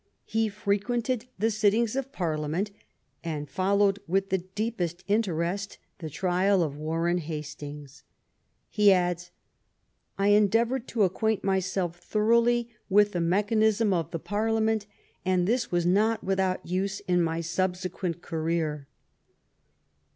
He frequented the sittings of Parliament, and followed with the deepest attention the trial of Warren Hastings. He adds: "I endeavoured to acquaint myself thoroughly with the mechanism of the Parliament, and this was not without use in my subsequent career."